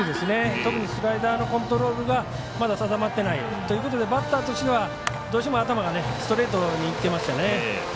特にスライダーのコントロールがまだ定まっていないということでバッターとしてはどうしても頭がストレートにいっていましたね。